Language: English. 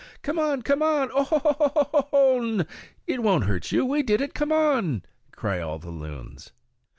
"Come on, O come oh ho ho ho ho hon. It won't hurt you; we did it; come on," cry all the loons.